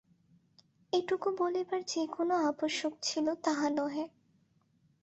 এটুকু বলিবার যে কোনো আবশ্যক ছিল তাহা নহে।